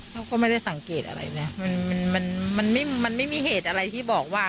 เขาก็ไม่ได้สังเกตอะไรนะมันมันไม่มีเหตุอะไรที่บอกว่า